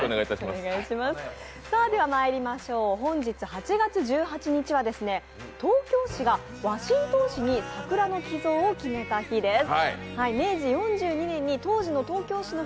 では本日、８月１８日は東京市がワシントン市に桜の寄贈を決めた日です。